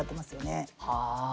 はあ！